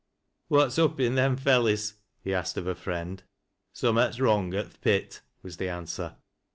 " "What's up in them fellys ?" he asked of a friend. " Summat's wrong at th' pit," was the answer.